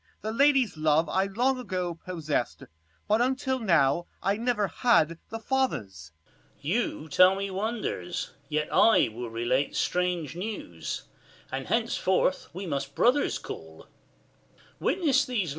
The lady's love I long ago possess'd : But until now I never had the father's. 40 Cam. You tell me wonders, yet I will relate Strange news, and henceforth we must brothers call ; Sc.